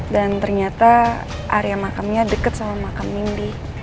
dan ternyata area makamnya deket sama makam mindy